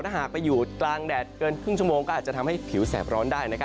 ถ้าหากไปอยู่กลางแดดเกินครึ่งชั่วโมงก็อาจจะทำให้ผิวแสบร้อนได้